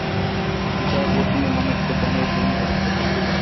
যা যেকোনো মানবকে দানবে পরিণত করতে পারে।